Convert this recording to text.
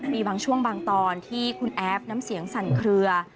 มีบางช่วงบางตอนที่คุณแอฟน้ำเสียงสั่นเคลือ